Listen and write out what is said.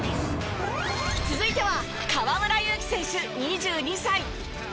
続いては河村勇輝選手２２歳。